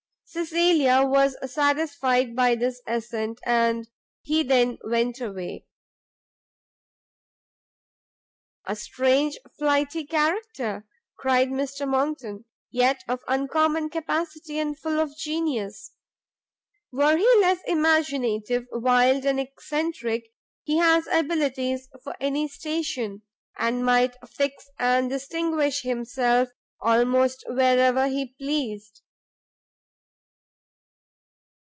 Cecilia was satisfied by this assent, and he then went away. "A strange flighty character!" cried Mr Monckton, "yet of uncommon capacity, and full of genius. Were he less imaginative, wild and eccentric, he has abilities for any station, and might fix and distinguish himself almost where ever he pleased."